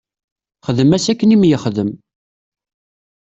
Xdem-as akken i m-yexdem.